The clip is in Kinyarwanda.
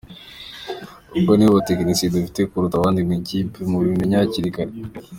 Kuko nibo batekinisiye dufite kuruta abandi mu ikipe, mubimenye hakiri kare.